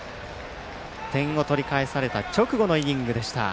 点を取り返された直後のイニングでした。